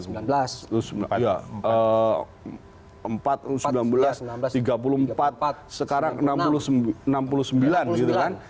enam belas tiga puluh empat sekarang enam puluh sembilan gitu kan